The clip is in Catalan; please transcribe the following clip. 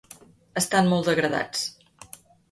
Estan molt degradats.